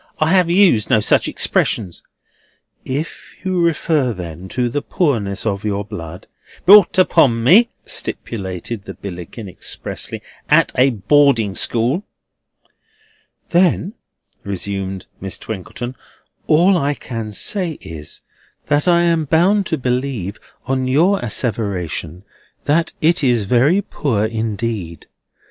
"I have used no such expressions." "If you refer, then, to the poorness of your blood—" "Brought upon me," stipulated the Billickin, expressly, "at a boarding school—" "Then," resumed Miss Twinkleton, "all I can say is, that I am bound to believe, on your asseveration, that it is very poor indeed.